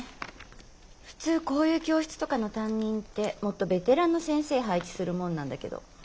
普通こういう教室とかの担任ってもっとベテランの先生配置するもんなんだけど。え？